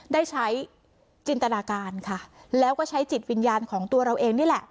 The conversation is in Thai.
ได้ใช้จินตนาการค่ะแล้วก็ใช้จิตวิญญาณของตัวเราเองนี่แหละ